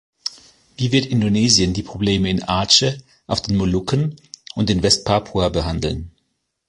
Wie wird Indonesien die Probleme in Aceh, auf den Molukken und in West-Papua behandeln?